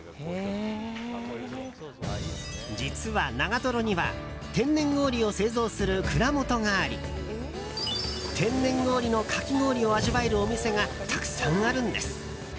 実は、長瀞には天然氷を製造する蔵元があり天然氷のかき氷を味わえるお店がたくさんあるんです。